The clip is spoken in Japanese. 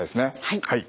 はい。